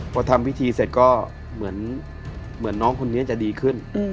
พอทำพิธีเสร็จก็เหมือนน้องคนนี้จะดีขึ้น